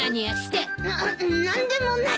な何でもないよ。